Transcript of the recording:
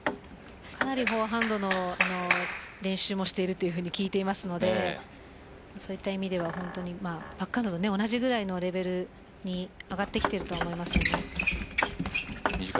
かなりフォアハンドの練習もしているというふうに聞いていますのでそういった意味では本当にバックと同じぐらいのレベルに上がってきていると思います。